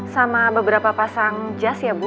sama beberapa pasang jas ya bu